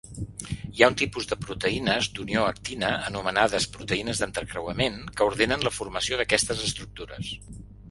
Hi ha un tipus de proteïnes d'unió a actina, anomenades "proteïnes d'entrecreuemant", que ordenen la formació d'aquestes estructures.